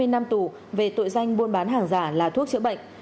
hai mươi năm tù về tội danh buôn bán hàng giả là thuốc chữa bệnh